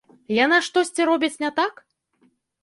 Яна штосьці робіць не так?